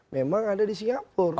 memang ada di singapura